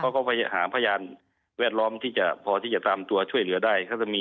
ก็ไปหาพยานแวดล้อมที่จะพอที่จะตามตัวช่วยเหลือได้